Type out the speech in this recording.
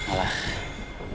dia nabrak gue